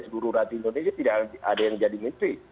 seluruh rakyat indonesia tidak ada yang jadi menteri